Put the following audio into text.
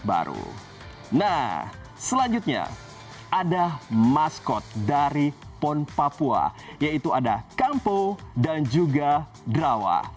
nah selanjutnya ada maskot dari pon papua yaitu ada kampo dan juga drawa